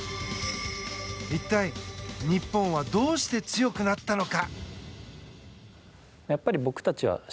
一体、日本はどうして強くなったのか。